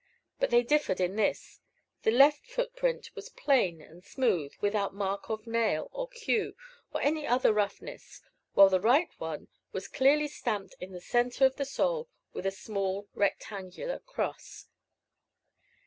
But they differed in this the left footprint was plain and smooth, without mark of nail, or cue, or any other roughness; while the right one was clearly stamped in the centre of the sole with a small rectangular cross.